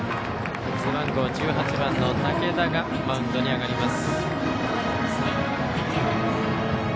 背番号１８番、竹田がマウンドに上がります。